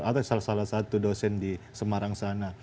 atau salah satu dosen di semarang sana